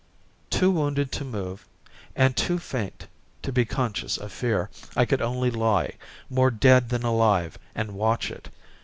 Too wounded to move, and too faint to be conscious of fear, I could only lie, more dead than alive, and watch it.